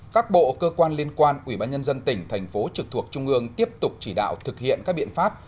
các bộ cơ quan liên quan ubnd tỉnh thành phố trực thuộc trung ương tiếp tục chỉ đạo thực hiện các biện pháp